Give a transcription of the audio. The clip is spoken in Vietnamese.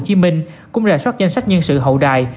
hồ chí minh cũng rà soát danh sách nhân sự hậu đài